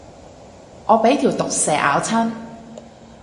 我俾條毒蛇咬親